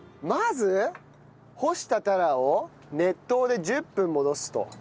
まず干した鱈を熱湯で１０分戻すと。